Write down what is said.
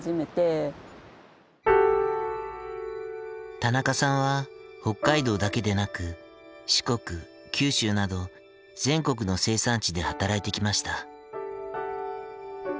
田中さんは北海道だけでなく四国九州など全国の生産地で働いてきました。